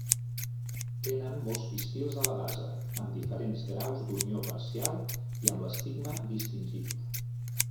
Tenen molts pistils a la base, amb diferents graus d'unió parcial i amb l'estigma distingible.